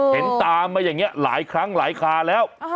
เห็นตามมาอย่างนี้หลายครั้งหลายคาแล้ว